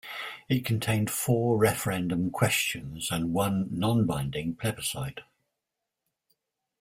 It contained four referendum questions and one non-binding plebiscite.